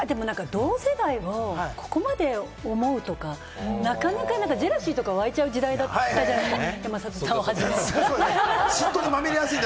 同世代をここまで思うとか、なかなかジェラシーとか沸いちゃう時代だったじゃないですか。